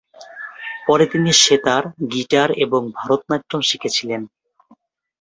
পরে তিনি সেতার, গিটার এবং ভারতনাট্যম শিখেছিলেন।